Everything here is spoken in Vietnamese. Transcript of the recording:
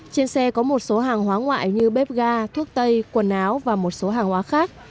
trên xe có một số hàng hóa ngoại như bếp ga thuốc tây quần áo và một số hàng hóa khác